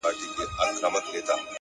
• خدای راکړي نعمتونه پرېمانۍ وې ,